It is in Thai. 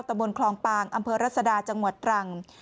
บนคลองปางอำเภอรัศดาจังหวัดตรัง